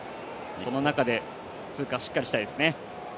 その中でしっかり通過したいですね。